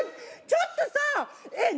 ちょっとさえっ